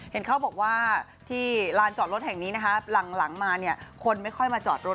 เห็นเขาบอกว่าที่ลานจอดรถแห่งนี้นะคะหลังมาเนี่ยคนไม่ค่อยมาจอดรถ